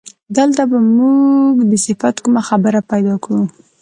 دلته به موږ د صفت کومه خبره پیدا کړو.